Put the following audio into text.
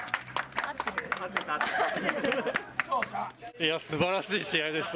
いや、すばらしい試合でした。